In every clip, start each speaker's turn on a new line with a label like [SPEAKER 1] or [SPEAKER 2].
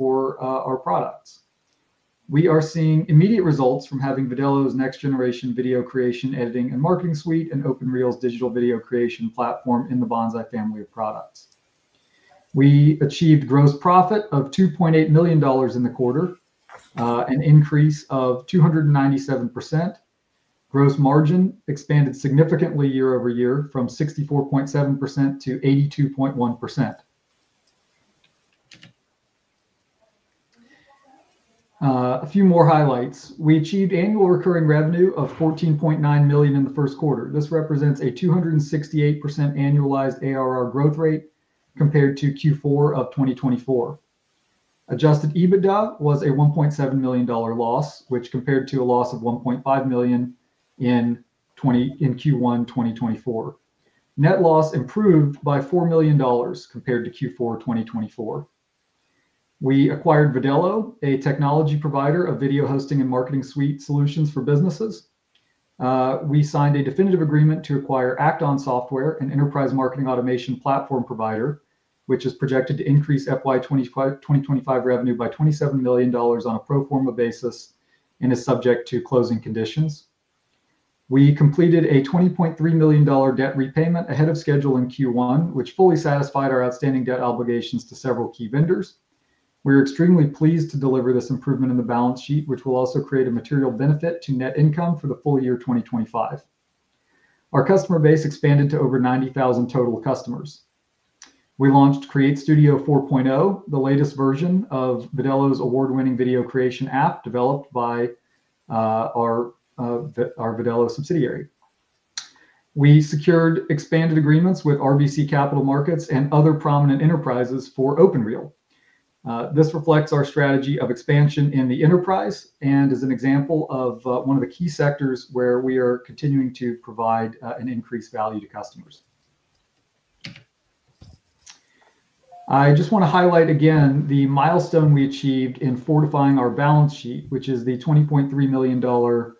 [SPEAKER 1] For our products. We are seeing immediate results from having Vidello's next-generation video creation, editing, and marketing suite and OpenReel's digital video creation platform in the Banzai family of products. We achieved gross profit of $2.8 million in the quarter, an increase of 297%. Gross margin expanded significantly year over year, from 64.7%-82.1%. A few more highlights. We achieved annual recurring revenue of $14.9 million in the first quarter. This represents a 268% annualized ARR growth rate compared to Q4 of 2024. Adjusted EBITDA was a $1.7 million loss, which compared to a loss of $1.5 million in Q1 2024. Net loss improved by $4 million compared to Q4 2024. We acquired Vidello, a technology provider of video hosting and marketing suite solutions for businesses. We signed a definitive agreement to acquire Act-On Software, an enterprise marketing automation platform provider, which is projected to increase FY 2025 revenue by $27 million on a pro forma basis and is subject to closing conditions. We completed a $20.3 million debt repayment ahead of schedule in Q1, which fully satisfied our outstanding debt obligations to several key vendors. We are extremely pleased to deliver this improvement in the balance sheet, which will also create a material benefit to net income for the full year 2025. Our customer base expanded to over 90,000 total customers. We launched Create Studio 4.0, the latest version of Vidello's award-winning video creation app developed by our Vidello subsidiary. We secured expanded agreements with RBC Capital Markets and other prominent enterprises for OpenReel. This reflects our strategy of expansion in the enterprise and is an example of one of the key sectors where we are continuing to provide an increased value to customers. I just want to highlight again the milestone we achieved in fortifying our balance sheet, which is the $20.3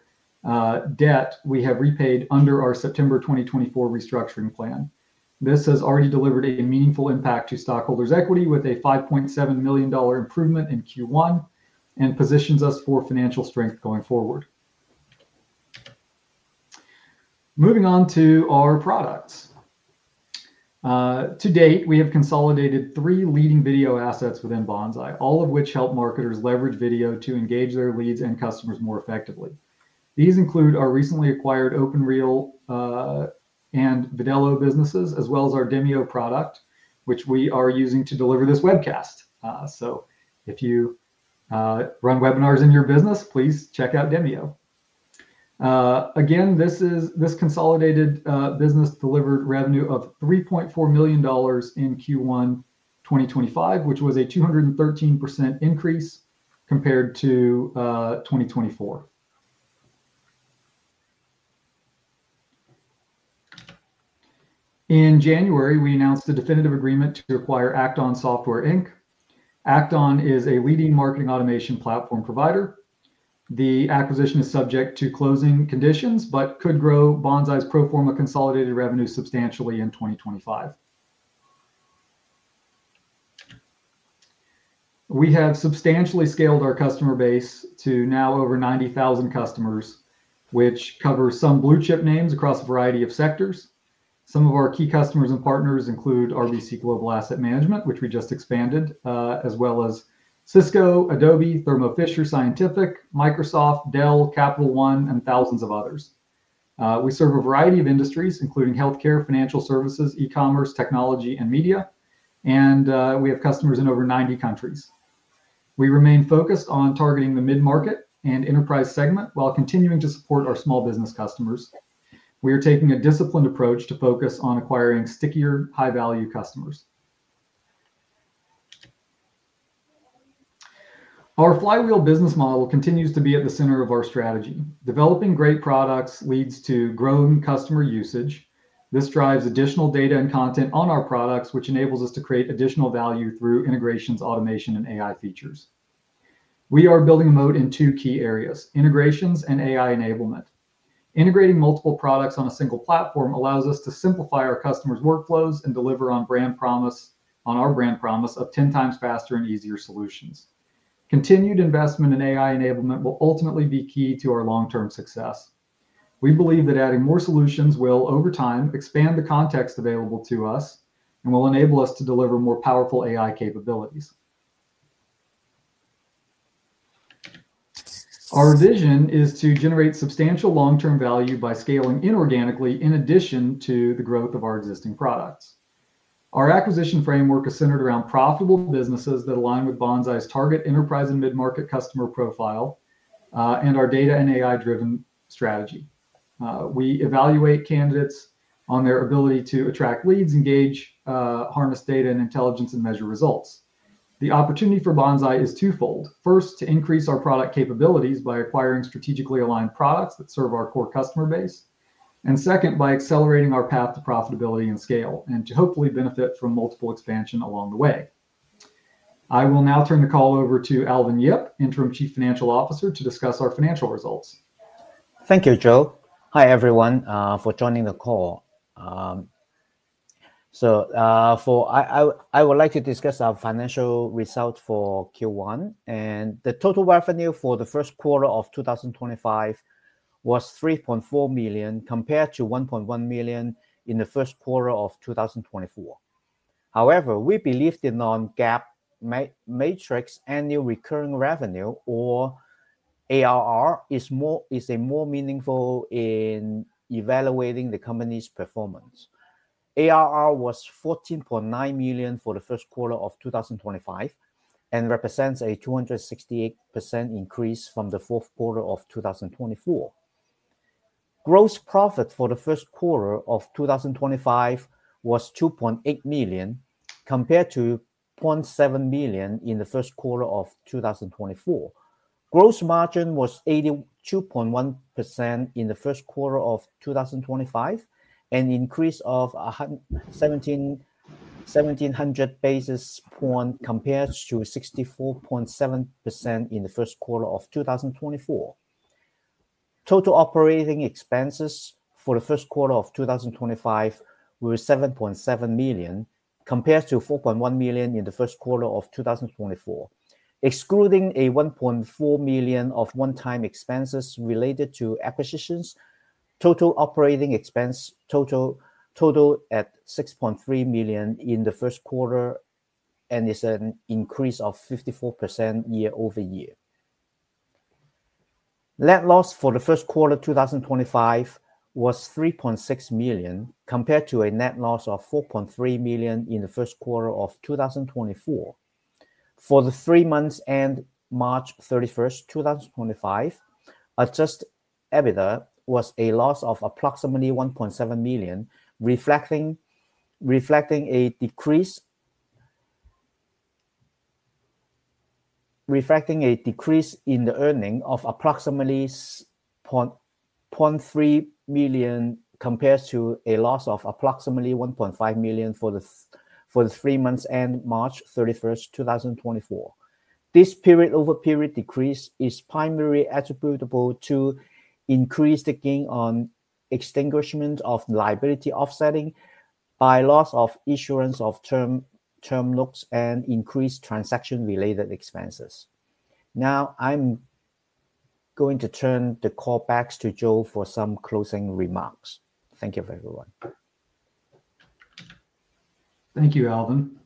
[SPEAKER 1] million debt we have repaid under our September 2024 restructuring plan. This has already delivered a meaningful impact to stockholders' equity with a $5.7 million improvement in Q1 and positions us for financial strength going forward. Moving on to our products. To date, we have consolidated three leading video assets within Banzai, all of which help marketers leverage video to engage their leads and customers more effectively. These include our recently acquired OpenReel and Vidello businesses, as well as our Demio product, which we are using to deliver this webcast. If you run webinars in your business, please check out Demio. Again, this consolidated business delivered revenue of $3.4 million in Q1 2025, which was a 213% increase compared to 2024. In January, we announced a definitive agreement to acquire Act-On Software Inc. Act-On is a leading marketing automation platform provider. The acquisition is subject to closing conditions but could grow Banzai's pro forma consolidated revenue substantially in 2025. We have substantially scaled our customer base to now over 90,000 customers, which covers some blue-chip names across a variety of sectors. Some of our key customers and partners include RBC Global Asset Management, which we just expanded, as well as Cisco, Adobe, Thermo Fisher Scientific, Microsoft, Dell, Capital One, and thousands of others. We serve a variety of industries, including healthcare, financial services, e-commerce, technology, and media, and we have customers in over 90 countries. We remain focused on targeting the mid-market and enterprise segment while continuing to support our small business customers. We are taking a disciplined approach to focus on acquiring stickier, high-value customers. Our flywheel business model continues to be at the center of our strategy. Developing great products leads to growing customer usage. This drives additional data and content on our products, which enables us to create additional value through integrations, automation, and AI features. We are building a moat in two key areas: integrations and AI enablement. Integrating multiple products on a single platform allows us to simplify our customers' workflows and deliver on our brand promise of 10 times faster and easier solutions. Continued investment in AI enablement will ultimately be key to our long-term success. We believe that adding more solutions will, over time, expand the context available to us and will enable us to deliver more powerful AI capabilities. Our vision is to generate substantial long-term value by scaling inorganically in addition to the growth of our existing products. Our acquisition framework is centered around profitable businesses that align with Banzai's target enterprise and mid-market customer profile and our data and AI-driven strategy. We evaluate candidates on their ability to attract leads, engage, harness data and intelligence, and measure results. The opportunity for Banzai is twofold: first, to increase our product capabilities by acquiring strategically aligned products that serve our core customer base; and second, by accelerating our path to profitability and scale, and to hopefully benefit from multiple expansions along the way. I will now turn the call over to Alvin Yip, Interim Chief Financial Officer, to discuss our financial results.
[SPEAKER 2] Thank you, Joe. Hi, everyone, for joining the call. I would like to discuss our financial results for Q1. The total revenue for the first quarter of 2025 was $3.4 million compared to $1.1 million in the first quarter of 2024. However, we believe the non-GAAP metric, annual recurring revenue, or ARR, is more meaningful in evaluating the company's performance. ARR was $14.9 million for the first quarter of 2025 and represents a 268% increase from the fourth quarter of 2024. Gross profit for the first quarter of 2025 was $2.8 million compared to $0.7 million in the first quarter of 2024. Gross margin was 82.1% in the first quarter of 2025 and an increase of 1,700 basis points compared to 64.7% in the first quarter of 2024. Total operating expenses for the first quarter of 2025 were $7.7 million compared to $4.1 million in the first quarter of 2024, excluding $1.4 million of one-time expenses related to acquisitions. Total operating expense totaled $6.3 million in the first quarter and is an increase of 54% year over year. Net loss for the first quarter of 2025 was $3.6 million compared to a net loss of $4.3 million in the first quarter of 2024. For the three months ended March 31, 2025, adjusted EBITDA was a loss of approximately $1.7 million, reflecting a decrease in the earning of approximately $0.3 million compared to a loss of approximately $1.5 million for the three months ended March 31, 2024. This period-over-period decrease is primarily attributable to increased gain on extinguishment of liability offset by loss of issuance of term notes and increased transaction-related expenses. Now, I'm going to turn the call back to Joe for some closing remarks. Thank you, everyone.
[SPEAKER 1] Thank you, Alvin.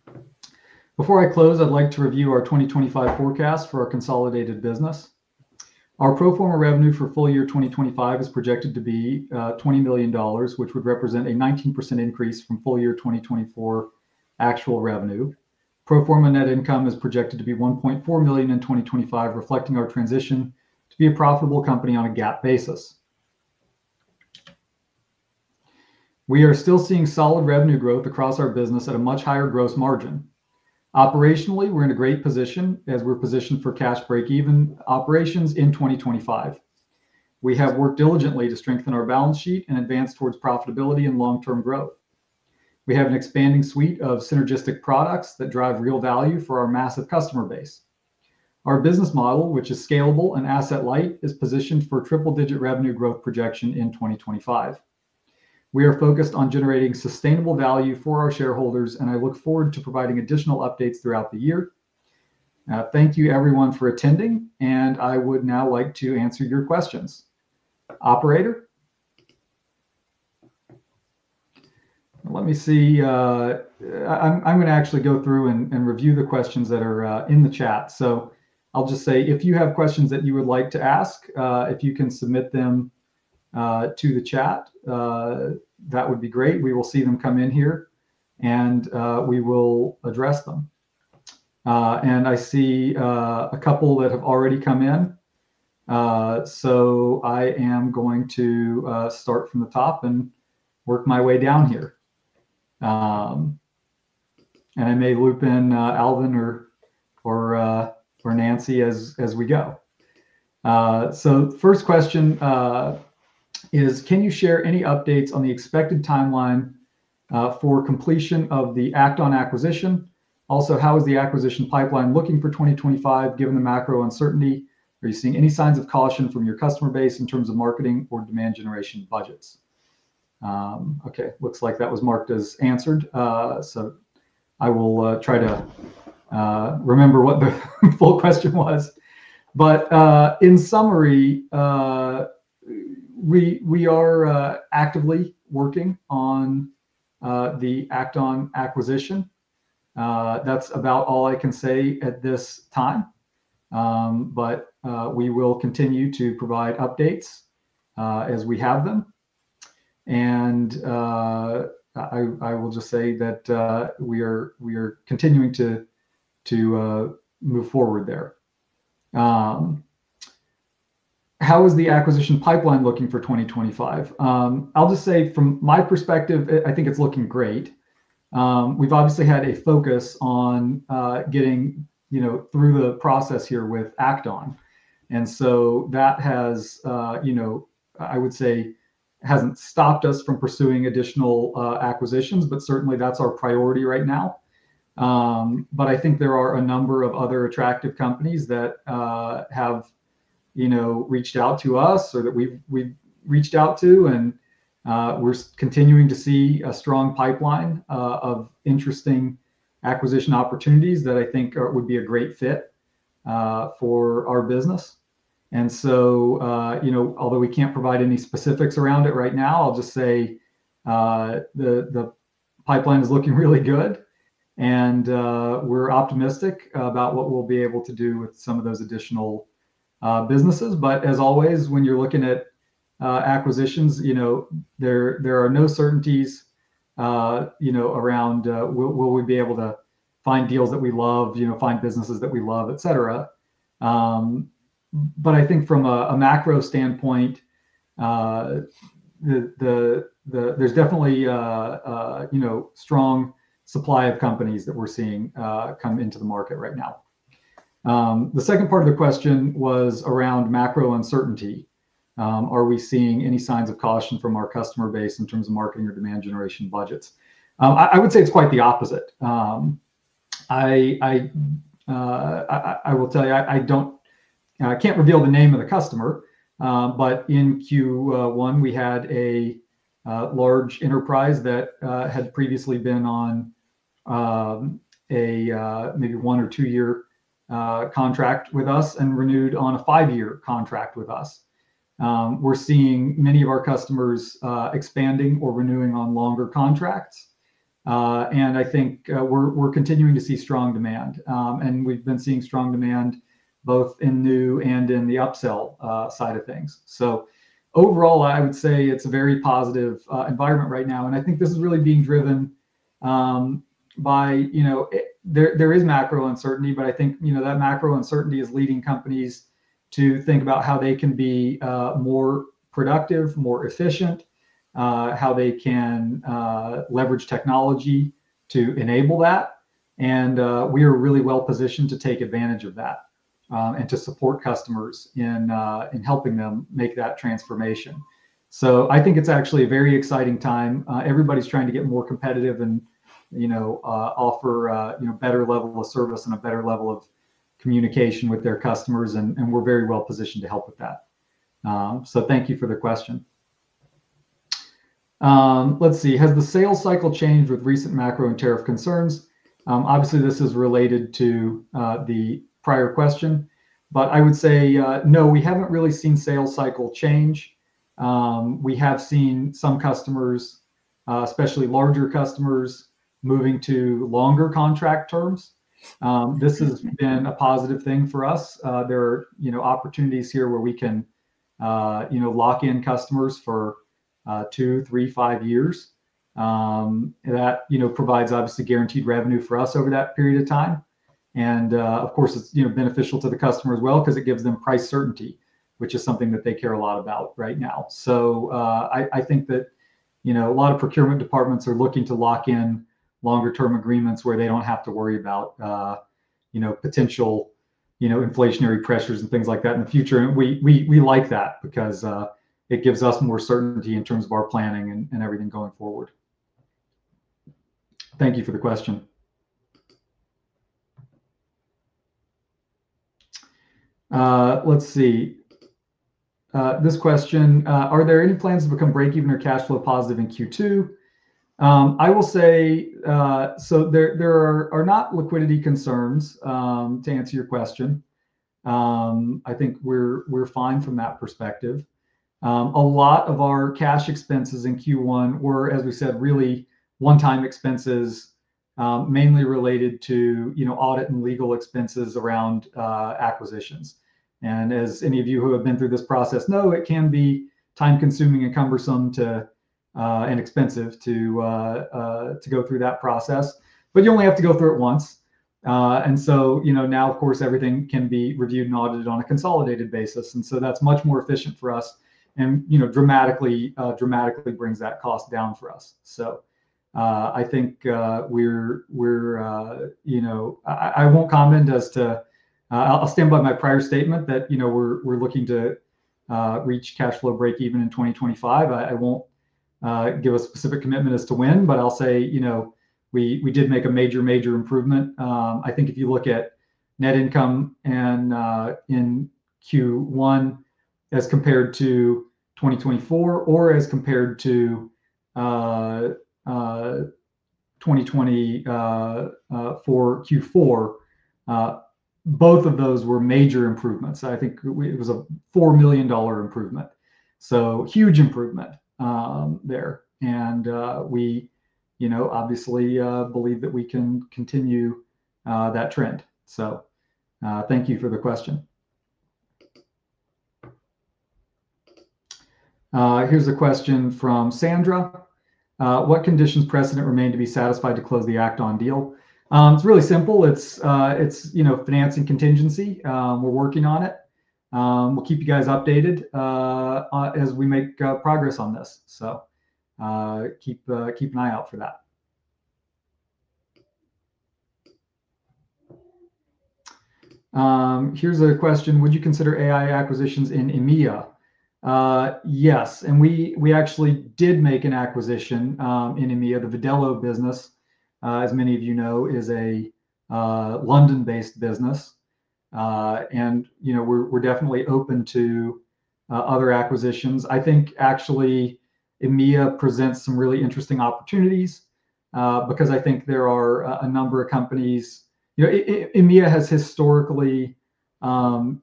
[SPEAKER 1] Before I close, I'd like to review our 2025 forecast for our consolidated business. Our pro forma revenue for full year 2025 is projected to be $20 million, which would represent a 19% increase from full year 2024 actual revenue. Pro forma net income is projected to be $1.4 million in 2025, reflecting our transition to be a profitable company on a GAAP basis. We are still seeing solid revenue growth across our business at a much higher gross margin. Operationally, we're in a great position as we're positioned for cash break-even operations in 2025. We have worked diligently to strengthen our balance sheet and advance towards profitability and long-term growth. We have an expanding suite of synergistic products that drive real value for our massive customer base. Our business model, which is scalable and asset-light, is positioned for triple-digit revenue growth projection in 2025. We are focused on generating sustainable value for our shareholders, and I look forward to providing additional updates throughout the year. Thank you, everyone, for attending, and I would now like to answer your questions. Operator? Let me see. I'm going to actually go through and review the questions that are in the chat. If you have questions that you would like to ask, if you can submit them to the chat, that would be great. We will see them come in here, and we will address them. I see a couple that have already come in. I am going to start from the top and work my way down here. I may loop in Alvin or Nancy as we go. The first question is, can you share any updates on the expected timeline for completion of the Act-On acquisition? Also, how is the acquisition pipeline looking for 2025, given the macro uncertainty? Are you seeing any signs of caution from your customer base in terms of marketing or demand-generation budgets? Okay, looks like that was marked as answered. I will try to remember what the full question was. In summary, we are actively working on the Act-On acquisition. That's about all I can say at this time. We will continue to provide updates as we have them. I will just say that we are continuing to move forward there. How is the acquisition pipeline looking for 2025? I'll just say, from my perspective, I think it's looking great. We've obviously had a focus on getting through the process here with Act-On. That has, I would say, hasn't stopped us from pursuing additional acquisitions, but certainly that's our priority right now. I think there are a number of other attractive companies that have reached out to us or that we've reached out to, and we're continuing to see a strong pipeline of interesting acquisition opportunities that I think would be a great fit for our business. Although we can't provide any specifics around it right now, I'll just say the pipeline is looking really good, and we're optimistic about what we'll be able to do with some of those additional businesses. As always, when you're looking at acquisitions, there are no certainties around will we be able to find deals that we love, find businesses that we love, etc. I think from a macro standpoint, there's definitely a strong supply of companies that we're seeing come into the market right now. The second part of the question was around macro uncertainty. Are we seeing any signs of caution from our customer base in terms of marketing or demand-generation budgets? I would say it's quite the opposite. I will tell you, I can't reveal the name of the customer, but in Q1, we had a large enterprise that had previously been on a maybe one or two-year contract with us and renewed on a five-year contract with us. We're seeing many of our customers expanding or renewing on longer contracts. I think we're continuing to see strong demand. We've been seeing strong demand both in new and in the upsell side of things. Overall, I would say it's a very positive environment right now. I think this is really being driven by there is macro uncertainty, but I think that macro uncertainty is leading companies to think about how they can be more productive, more efficient, how they can leverage technology to enable that. We are really well positioned to take advantage of that and to support customers in helping them make that transformation. I think it is actually a very exciting time. Everybody's trying to get more competitive and offer a better level of service and a better level of communication with their customers, and we're very well positioned to help with that. Thank you for the question. Let's see. Has the sales cycle changed with recent macro and tariff concerns? Obviously, this is related to the prior question, but I would say, no, we haven't really seen sales cycle change. We have seen some customers, especially larger customers, moving to longer contract terms. This has been a positive thing for us. There are opportunities here where we can lock in customers for two, three, five years. That provides, obviously, guaranteed revenue for us over that period of time. It is beneficial to the customer as well because it gives them price certainty, which is something that they care a lot about right now. I think that a lot of procurement departments are looking to lock in longer-term agreements where they do not have to worry about potential inflationary pressures and things like that in the future. We like that because it gives us more certainty in terms of our planning and everything going forward. Thank you for the question. Let's see. This question, are there any plans to become break-even or cash flow positive in Q2? I will say, so there are not liquidity concerns, to answer your question. I think we're fine from that perspective. A lot of our cash expenses in Q1 were, as we said, really one-time expenses, mainly related to audit and legal expenses around acquisitions. And as any of you who have been through this process know, it can be time-consuming and cumbersome and expensive to go through that process. You only have to go through it once. Now, of course, everything can be reviewed and audited on a consolidated basis. That is much more efficient for us and dramatically brings that cost down for us. I think we're I won't comment as to I'll stand by my prior statement that we're looking to reach cash flow break-even in 2025. I won't give a specific commitment as to when, but I'll say we did make a major, major improvement. I think if you look at net income in Q1 as compared to 2024 or as compared to 2024 Q4, both of those were major improvements. I think it was a $4 million improvement. Huge improvement there. We obviously believe that we can continue that trend. Thank you for the question. Here's a question from Sandra. What conditions precedent remain to be satisfied to close the Act-On deal? It's really simple. It's financing contingency. We're working on it. We'll keep you guys updated as we make progress on this. Keep an eye out for that. Here's a question. Would you consider AI acquisitions in EMEA? Yes. We actually did make an acquisition in EMEA. The Videlo business, as many of you know, is a London-based business. We are definitely open to other acquisitions. I think, actually, EMEA presents some really interesting opportunities because I think there are a number of companies. EMEA has historically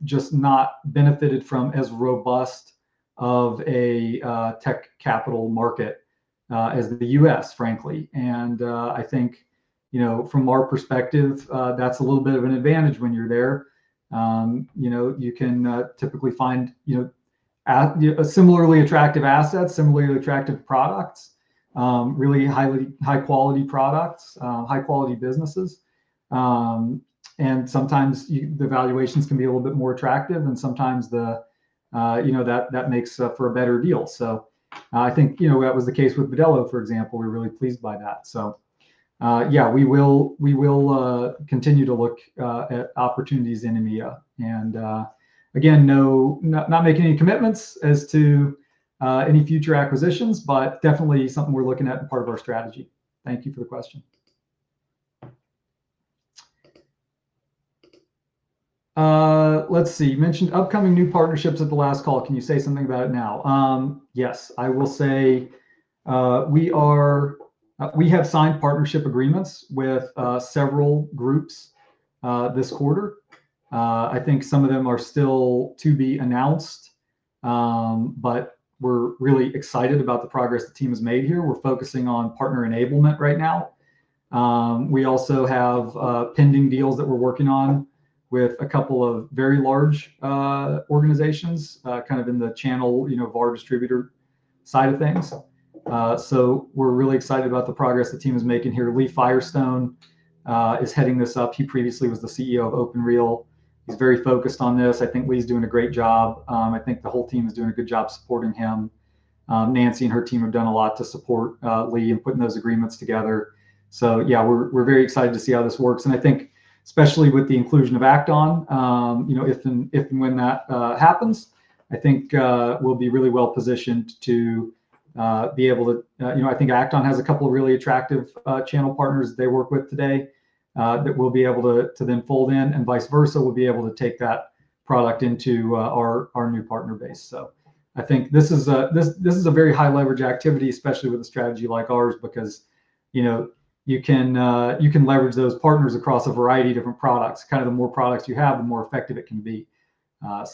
[SPEAKER 1] just not benefited from as robust of a tech capital market as the U.S., frankly. I think, from our perspective, that is a little bit of an advantage when you are there. You can typically find similarly attractive assets, similarly attractive products, really high-quality products, high-quality businesses. Sometimes the valuations can be a little bit more attractive, and sometimes that makes for a better deal. I think that was the case with Vidello, for example. We are really pleased by that. Yes, we will continue to look at opportunities in EMEA. Again, not making any commitments as to any future acquisitions, but definitely something we are looking at and part of our strategy. Thank you for the question. Let's see. You mentioned upcoming new partnerships at the last call. Can you say something about it now? Yes. I will say we have signed partnership agreements with several groups this quarter. I think some of them are still to be announced, but we're really excited about the progress the team has made here. We're focusing on partner enablement right now. We also have pending deals that we're working on with a couple of very large organizations kind of in the channel of our distributor side of things. We're really excited about the progress the team is making here. Lee Firestone is heading this up. He previously was the CEO of OpenReel. He's very focused on this. I think Lee's doing a great job. I think the whole team is doing a good job supporting him. Nancy and her team have done a lot to support Lee in putting those agreements together. Yeah, we're very excited to see how this works. I think, especially with the inclusion of Act-On, if and when that happens, I think we'll be really well positioned to be able to, I think Act-On has a couple of really attractive channel partners that they work with today that we'll be able to then fold in, and vice versa, we'll be able to take that product into our new partner base. I think this is a very high-leverage activity, especially with a strategy like ours, because you can leverage those partners across a variety of different products. Kind of the more products you have, the more effective it can be.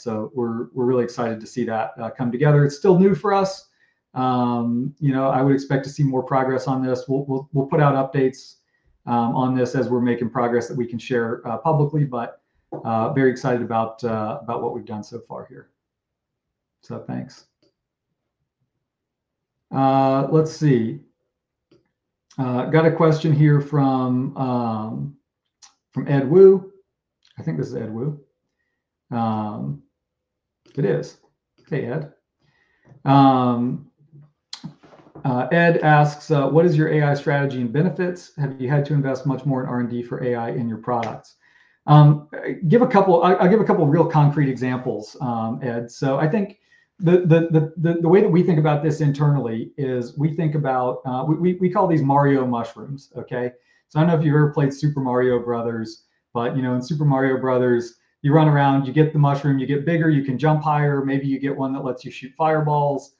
[SPEAKER 1] We're really excited to see that come together. It's still new for us. I would expect to see more progress on this. We'll put out updates on this as we're making progress that we can share publicly, but very excited about what we've done so far here. Thanks. Let's see. Got a question here from Ed Wu. I think this is Ed Wu. It is. Hey, Ed. Ed asks, "What is your AI strategy and benefits? Have you had to invest much more in R&D for AI in your products?" I'll give a couple of real concrete examples, Ed. I think the way that we think about this internally is we think about we call these Mario mushrooms, okay? I don't know if you've ever played Super Mario brothers, but in Super Mario brothers, you run around, you get the mushroom, you get bigger, you can jump higher, maybe you get one that lets you shoot fireballs,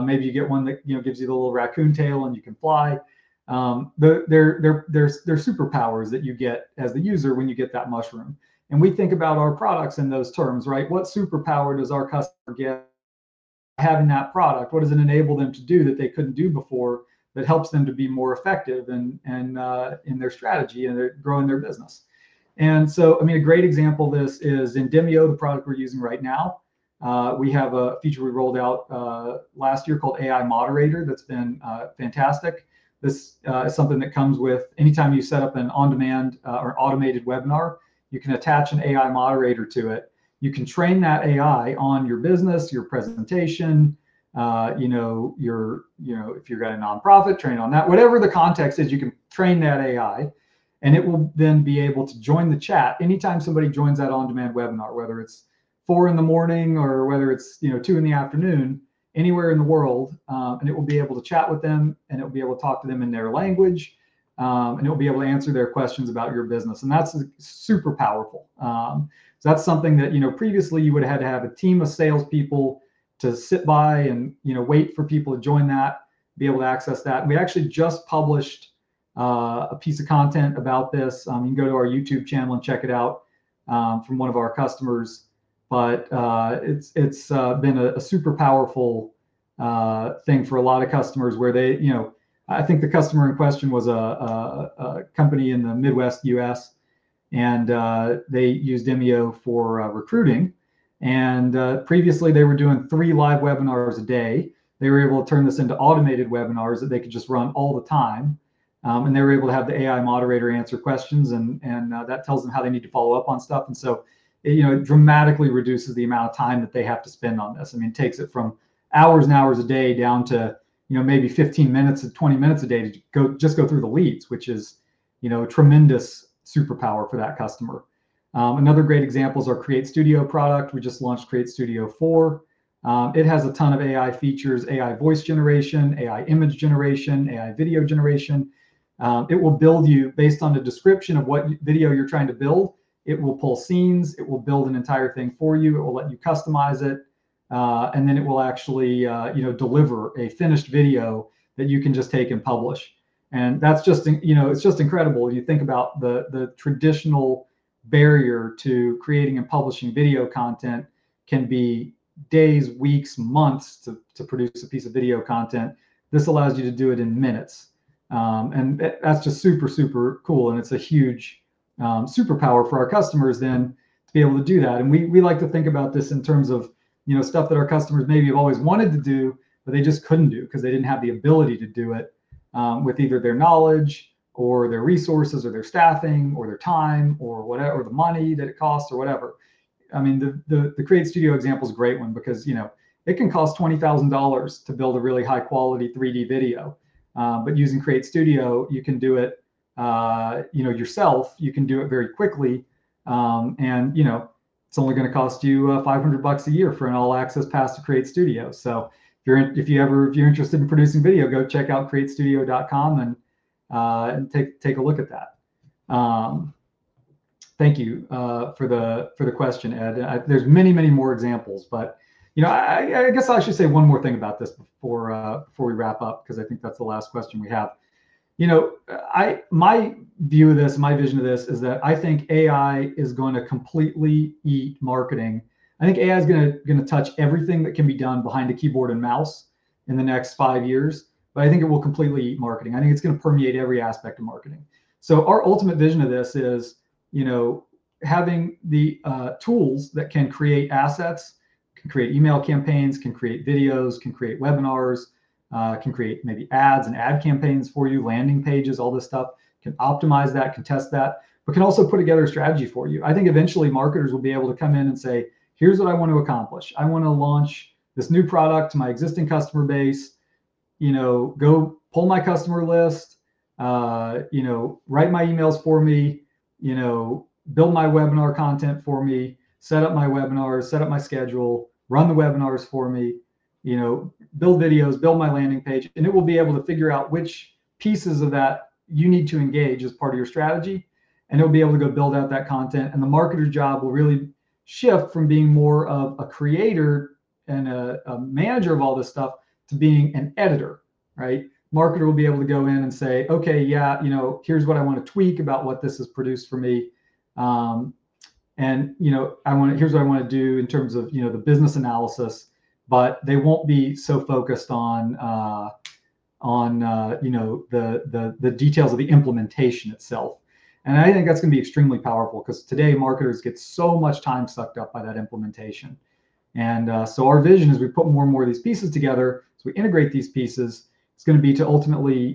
[SPEAKER 1] maybe you get one that gives you the little raccoon tail and you can fly. There are superpowers that you get as the user when you get that mushroom. We think about our products in those terms, right? What superpower does our customer get by having that product? What does it enable them to do that they couldn't do before that helps them to be more effective in their strategy and growing their business? I mean, a great example of this is in Demio, the product we're using right now. We have a feature we rolled out last year called AI Moderator that's been fantastic. This is something that comes with anytime you set up an on-demand or automated webinar, you can attach an AI moderator to it. You can train that AI on your business, your presentation, if you've got a nonprofit, train on that. Whatever the context is, you can train that AI, and it will then be able to join the chat anytime somebody joins that on-demand webinar, whether it's 4:00 in the morning or whether it's 2:00 in the afternoon, anywhere in the world, and it will be able to chat with them, and it will be able to talk to them in their language, and it will be able to answer their questions about your business. That's super powerful. That's something that previously you would have had to have a team of salespeople to sit by and wait for people to join that, be able to access that. We actually just published a piece of content about this. You can go to our YouTube channel and check it out from one of our customers. It has been a super powerful thing for a lot of customers where they, I think the customer in question was a company in the Midwest U.S., and they used Demio for recruiting. Previously, they were doing three live webinars a day. They were able to turn this into automated webinars that they could just run all the time. They were able to have the AI moderator answer questions, and that tells them how they need to follow up on stuff. It dramatically reduces the amount of time that they have to spend on this. I mean, it takes it from hours and hours a day down to maybe 15 minutes-20 minutes a day to just go through the leads, which is a tremendous superpower for that customer. Another great example is our Create Studio product. We just launched Create Studio 4.0. It has a ton of AI features: AI voice generation, AI image generation, AI video generation. It will build you based on a description of what video you're trying to build. It will pull scenes. It will build an entire thing for you. It will let you customize it. It will actually deliver a finished video that you can just take and publish. It is just incredible. You think about the traditional barrier to creating and publishing video content can be days, weeks, months to produce a piece of video content. This allows you to do it in minutes. That is just super, super cool. It is a huge superpower for our customers then to be able to do that. We like to think about this in terms of stuff that our customers maybe have always wanted to do, but they just could not do because they did not have the ability to do it with either their knowledge or their resources or their staffing or their time or the money that it costs or whatever. I mean, the Create Studio example is a great one because it can cost $20,000 to build a really high-quality 3D video. Using Create Studio, you can do it yourself. You can do it very quickly. It is only going to cost you $500 a year for an all-access pass to Create Studio. If you are interested in producing video, go check out createstudio.com and take a look at that. Thank you for the question, Ed. There are many, many more examples. I guess I should say one more thing about this before we wrap up because I think that is the last question we have. My view of this, my vision of this is that I think AI is going to completely eat marketing. I think AI is going to touch everything that can be done behind a keyboard and mouse in the next five years. I think it will completely eat marketing. I think it is going to permeate every aspect of marketing. Our ultimate vision of this is having the tools that can create assets, can create email campaigns, can create videos, can create webinars, can create maybe ads and ad campaigns for you, landing pages, all this stuff, can optimize that, can test that, but can also put together a strategy for you. I think eventually marketers will be able to come in and say, "Here's what I want to accomplish. I want to launch this new product to my existing customer base. Go pull my customer list. Write my emails for me. Build my webinar content for me. Set up my webinars. Set up my schedule. Run the webinars for me. Build videos. Build my landing page." It will be able to figure out which pieces of that you need to engage as part of your strategy. It will be able to go build out that content. The marketer's job will really shift from being more of a creator and a manager of all this stuff to being an editor, right? The marketer will be able to go in and say, "Okay, yeah, here's what I want to tweak about what this has produced for me. Here's what I want to do in terms of the business analysis. They will not be so focused on the details of the implementation itself. I think that is going to be extremely powerful because today marketers get so much time sucked up by that implementation. Our vision is we put more and more of these pieces together. We integrate these pieces. It is going to be to ultimately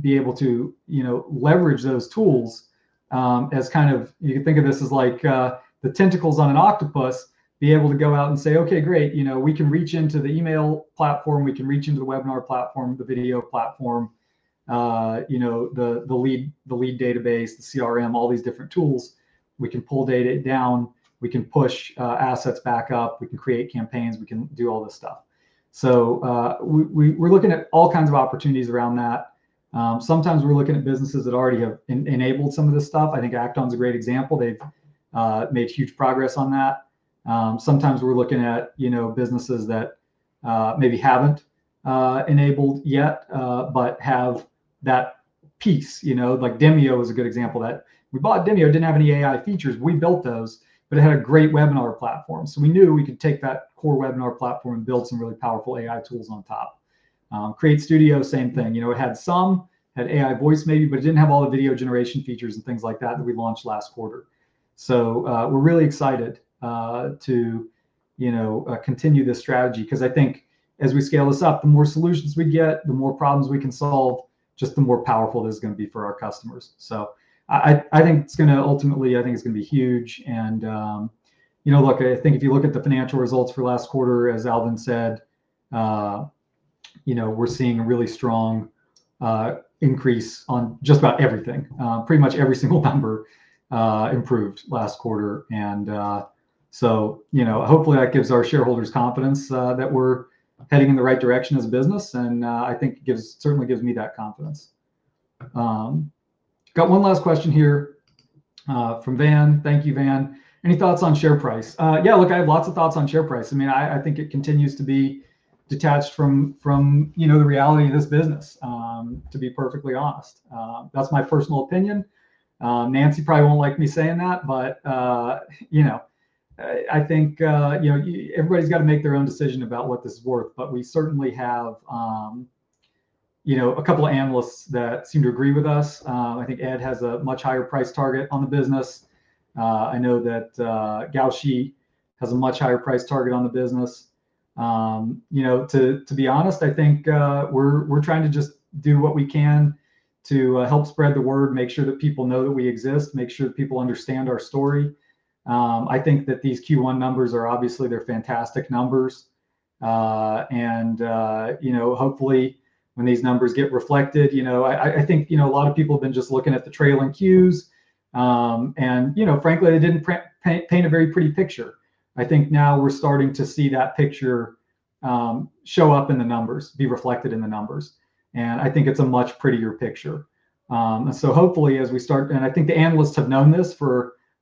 [SPEAKER 1] be able to leverage those tools as kind of you can think of this as like the tentacles on an octopus, be able to go out and say, "Okay, great. We can reach into the email platform. We can reach into the webinar platform, the video platform, the lead database, the CRM, all these different tools. We can pull data down. We can push assets back up. We can create campaigns. We can do all this stuff. We're looking at all kinds of opportunities around that. Sometimes we're looking at businesses that already have enabled some of this stuff. I think Act-On is a great example. They've made huge progress on that. Sometimes we're looking at businesses that maybe haven't enabled yet but have that piece. Like Demio is a good example of that. We bought Demio. It didn't have any AI features. We built those, but it had a great webinar platform. We knew we could take that core webinar platform and build some really powerful AI tools on top. Create Studio, same thing. It had some, had AI voice maybe, but it didn't have all the video generation features and things like that that we launched last quarter. We're really excited to continue this strategy because I think as we scale this up, the more solutions we get, the more problems we can solve, just the more powerful this is going to be for our customers. I think it's going to ultimately, I think it's going to be huge. Look, I think if you look at the financial results for last quarter, as Alvin said, we're seeing a really strong increase on just about everything. Pretty much every single number improved last quarter. Hopefully that gives our shareholders confidence that we're heading in the right direction as a business. I think it certainly gives me that confidence. Got one last question here from Van. Thank you, Van. Any thoughts on share price? Yeah, look, I have lots of thoughts on share price. I mean, I think it continues to be detached from the reality of this business, to be perfectly honest. That's my personal opinion. Nancy probably won't like me saying that, but I think everybody's got to make their own decision about what this is worth. We certainly have a couple of analysts that seem to agree with us. I think Ed has a much higher price target on the business. I know that Gao Xi has a much higher price target on the business. To be honest, I think we're trying to just do what we can to help spread the word, make sure that people know that we exist, make sure that people understand our story. I think that these Q1 numbers are obviously fantastic numbers. Hopefully when these numbers get reflected, I think a lot of people have been just looking at the trailing Qs. Frankly, they did not paint a very pretty picture. I think now we are starting to see that picture show up in the numbers, be reflected in the numbers. I think it is a much prettier picture. Hopefully as we start, and I think the analysts have known this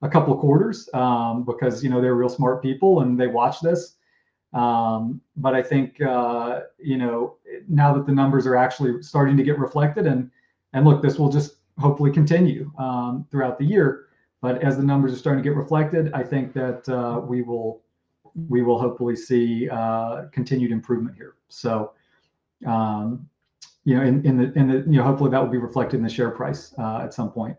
[SPEAKER 1] for a couple of quarters because they are real smart people and they watch this. I think now that the numbers are actually starting to get reflected, this will just hopefully continue throughout the year. As the numbers are starting to get reflected, I think that we will hopefully see continued improvement here. Hopefully that will be reflected in the share price at some point.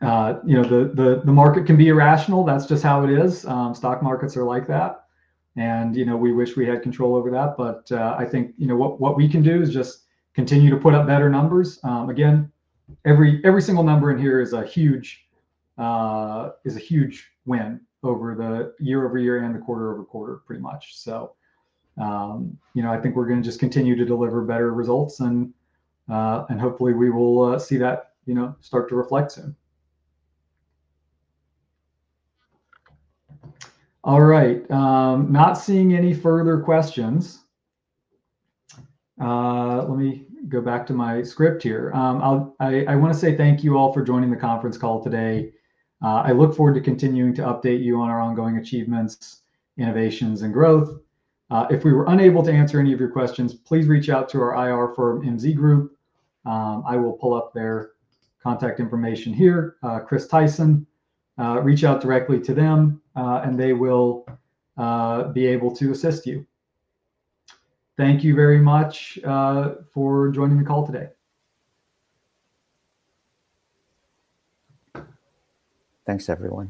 [SPEAKER 1] The market can be irrational. That is just how it is. Stock markets are like that. We wish we had control over that. I think what we can do is just continue to put up better numbers. Again, every single number in here is a huge win over the year over year and the quarter over quarter, pretty much. I think we are going to just continue to deliver better results. Hopefully we will see that start to reflect soon. All right. Not seeing any further questions. Let me go back to my script here. I want to say thank you all for joining the conference call today. I look forward to continuing to update you on our ongoing achievements, innovations, and growth. If we were unable to answer any of your questions, please reach out to our IR firm MZ Group. I will pull up their contact information here. Chris Tyson, reach out directly to them, and they will be able to assist you. Thank you very much for joining the call today.
[SPEAKER 2] Thanks, everyone.